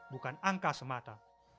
bukan angka semata